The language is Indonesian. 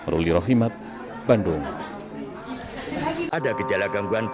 ruli rohimat bandung